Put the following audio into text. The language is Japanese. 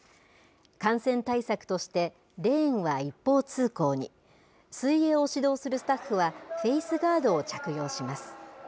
感染対策として、レーンは一方通行に、水泳を指導するスタッフは、フェイスガードを着用します。